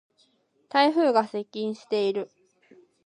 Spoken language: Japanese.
台風が接近している。